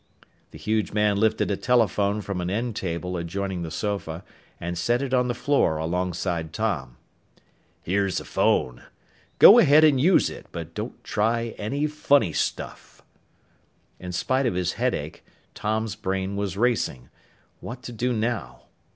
The huge man lifted a telephone from an end table adjoining the sofa and set it on the floor alongside Tom. "Here's a phone. Go ahead and use it, but don't try any funny stuff." In spite of his headache, Tom's brain was racing. What to do now?